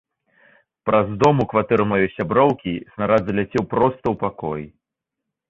Праз дом у кватэру маёй сяброўкі снарад заляцеў проста ў пакой.